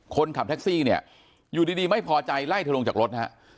คนขับแท็กซี่เนี่ยอยู่ดีไม่พอใจไล่เธอลงจากรถฮะ